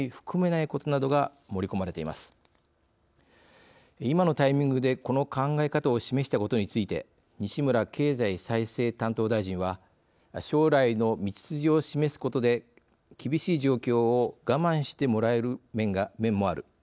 いまのタイミングでこの考え方を示したことについて西村経済再生担当大臣は「将来の道筋を示すことで厳しい状況を我慢してもらえる面もある。